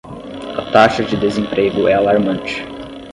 A taxa de desemprego é alarmante.